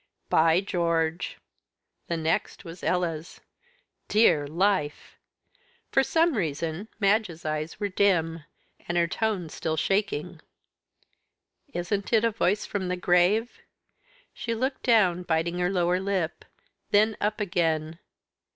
"By George!" The next was Ella's. "Dear life!" For some reason, Madge's eyes were dim, and her tone still shaking. "Isn't it a voice from the grave?" She looked down, biting her lower lip; then up again.